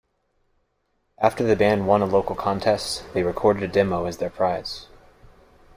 After the band won a local contest, they recorded a demo as their prize.